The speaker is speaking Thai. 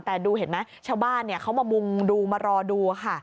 แต่ดูเห็นไหมชาวบ้านเขามามุงดูมารอดูค่ะ